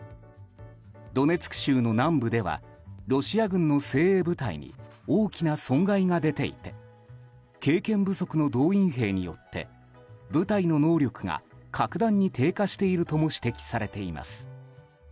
ドネツク州の南部ではロシア軍の精鋭部隊に大きな損害が出ていて経験不足の動員兵によって部隊の能力が格段に低下しているとも指摘されています。